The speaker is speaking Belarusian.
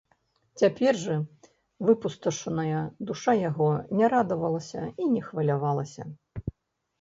Цяпер жа выпусташаная душа яго не радавалася і не хвалявалася.